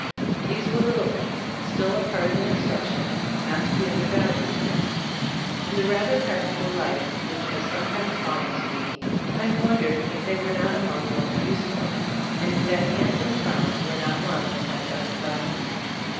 These were little things, still a part of the instructions not to be undervalued. In the rather practical life which has 96 Vbe Store of A£ GMldbooft sometimes fallen to me, I have won dered if they were not among the most useful, and if that handsome frown were not one of my best lessons.